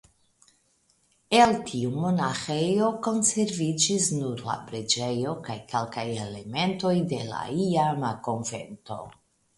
El tiu monaĥejo konserviĝis nur la preĝejo kaj kelkaj elementoj de la iama konvento.